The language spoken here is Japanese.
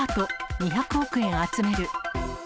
２００億円集める。